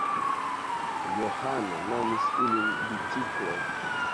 Johano nomis ilin bicikloj.